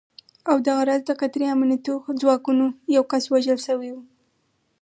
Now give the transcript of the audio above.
او دغه راز د قطري امنیتي ځواکونو یو کس وژل شوی و